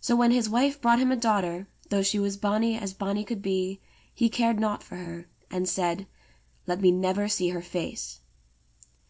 So when his wife brought him a daughter, though she was bonny as bonny could be, he cared nought for her, and said : *'Let me never see her face."